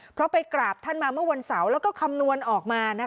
พระไปกราบวันเสาร์เขามาตอนเงินแล้วก็คำนวณออกมานะคะ